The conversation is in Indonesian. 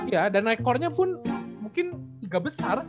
ya dan ekornya pun mungkin ga besar